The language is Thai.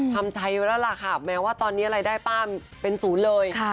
ทำใจไว้แล้วล่ะค่ะแม้ว่าตอนนี้รายได้ป้าเป็นศูนย์เลย